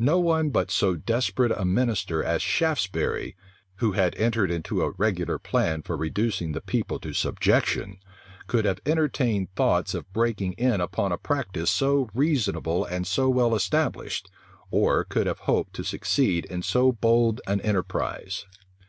No one but so desperate a minister as Shaftesbury, who had entered into a regular plan for reducing the people to subjection, could have entertained thoughts of breaking in upon a practice so reasonable and so well established, or could have hoped to succeed in so bold an enterprise.